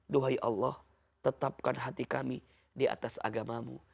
duhai allah tetapkan hati kami di atas agamamu